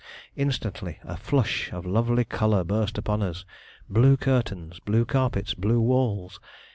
Instantly a flush of lovely color burst upon us. Blue curtains, blue carpets, blue walls.